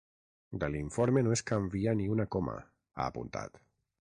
“De l’informe no es canvia ni una coma”, ha apuntat.